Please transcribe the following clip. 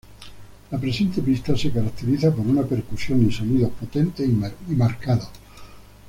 La presente pista se caracteriza por una percusión y sonidos potentes y marcados.